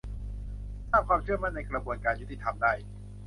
สร้างความเชื่อมั่นในกระบวนการยุติธรรมได้